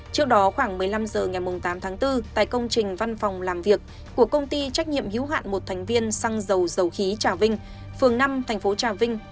trước đó khoảng một mươi năm h ngày tám tháng bốn tại công trình văn phòng làm việc của công ty trách nhiệm hữu hạn một thành viên xăng dầu dầu khí trà vinh phường năm thành phố trà vinh